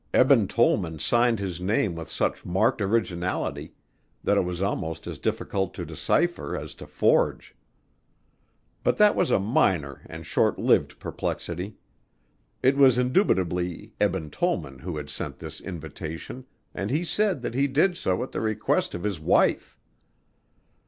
Eben Tollman signed his name with such marked originality that it was almost as difficult to decipher as to forge. But that was a minor and short lived perplexity. It was indubitably Eben Tollman who had sent this invitation and he said that he did so at the request of his wife.